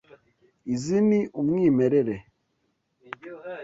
Izi ni umwimerere.